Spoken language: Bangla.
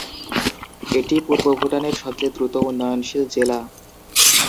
এটি পূর্ব ভুটানের সবচেয়ে দ্রুত উন্নয়নশীল জেলা।